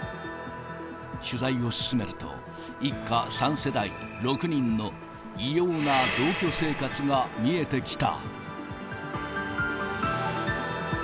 取材を進めると、一家３世代６人の異様な同居生活が見えてきた。